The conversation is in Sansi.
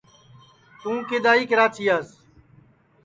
توں کِدؔ آئی کراچیاس